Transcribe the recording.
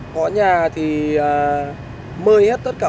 có nhà thì mơi hết tất cả